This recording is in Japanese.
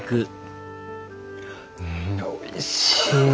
うんおいしい！